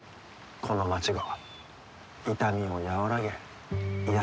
この町が痛みを和らげ癒やしてくれる。